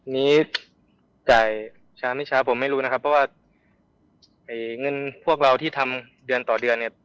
นี้จ่ายช้าไม่ช้าผมไม่รู้นะครับเพราะว่าเงินพวกเราที่ทำเดือนต่อเดือนเนี่ย